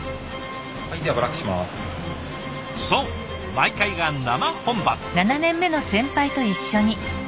そう毎回が生本番。